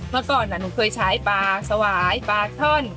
เมื่อก่อนหนูเคยใช้ปลาสวายปลาท่อน